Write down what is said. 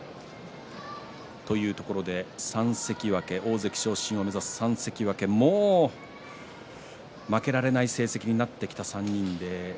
３関脇、大関昇進を目指す３関脇もう負けられない成績になってきた３人。